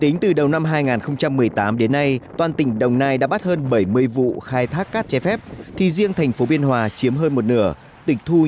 tỉnh thu dân thành phố biên hòa chiếm hơn một nửa tỉnh thu dân thành phố biên hòa chiếm hơn một nửa tỉnh thu dân